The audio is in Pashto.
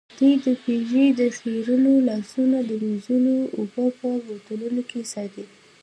دوی د پیر د خیرنو لاسونو د مینځلو اوبه په بوتلونو کې ساتي.